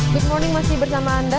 good morning masih bersama anda